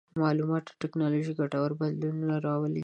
مالوماتي ټکنالوژي ګټور بدلون راولي.